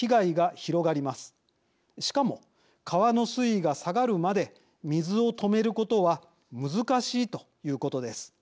しかも川の水位が下がるまで水を止めることは難しいということです。